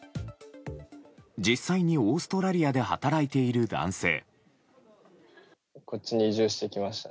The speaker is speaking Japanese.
実際にオーストラリアで働いている男性。